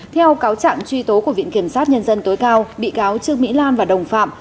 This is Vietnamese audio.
theo cáo trạng truy tố của viện kiểm sát nhân dân tối cao bị cáo trương mỹ lan và đồng phạm